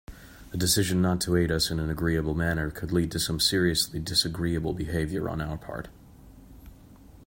A decision not to aid us in an agreeable manner could lead to some seriously disagreeable behaviour on our part.